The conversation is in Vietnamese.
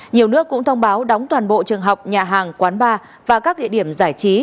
nhiều nước cũng thông báo đóng toàn bộ trường học nhà hàng quán bar và các địa điểm giải trí